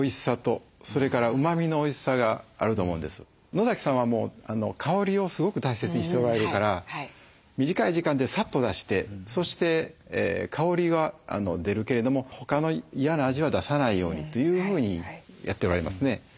野さんは香りをすごく大切にしておられるから短い時間でさっと出してそして香りは出るけれども他の嫌な味は出さないようにというふうにやっておられますね。